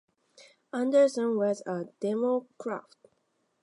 Anderson was a Democrat.